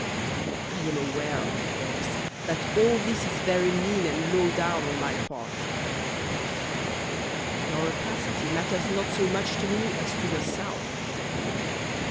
I am aware, of course, That all this is very mean And low down On my part, But frankly Your rapacity Matters not so much to me As to yourself.